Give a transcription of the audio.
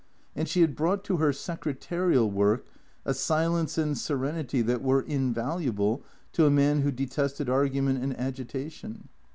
And she had brought to her secretarial work a silence and serenity that were invaluable to a man who detested argu ment and agitation.